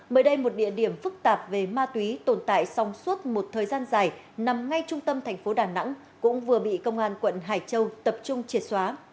mới đây một địa điểm phức tạp về ma túy tồn tại trong suốt một thời gian dài nằm ngay trung tâm thành phố đà nẵng cũng vừa bị công an quận hải châu tập trung triệt xóa